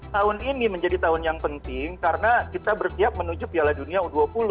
tahun ini menjadi tahun yang penting karena kita bersiap menuju piala dunia u dua puluh